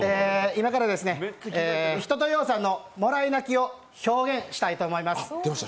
今から一青窈さんの「もらい泣き」を表現したいと思います。